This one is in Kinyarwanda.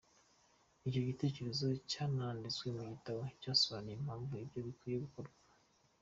Icyo gitekerezo cyananditswe mu gitabo, cyasobanuye impamvu ibyo bikwiye gukorwa.